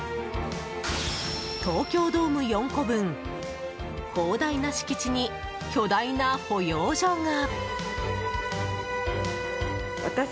東京ドーム４個分広大な敷地に巨大な保養所が。